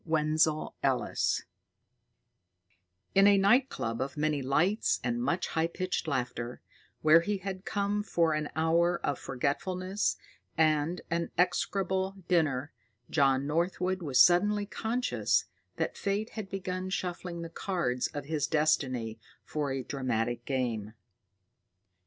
In a night club of many lights and much high pitched laughter, where he had come for an hour of forgetfulness and an execrable dinner, John Northwood was suddenly conscious that Fate had begun shuffling the cards of his destiny for a dramatic game.